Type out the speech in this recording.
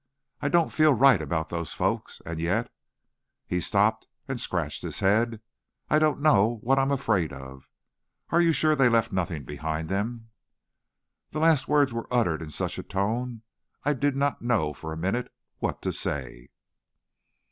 "I don't feel right about those folks, and yet " He stopped and scratched his head "I don't know what I'm afraid of. Are you sure they left nothing behind them?" The last words were uttered in such a tone I did not know for a minute what to say.